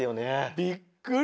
びっくり。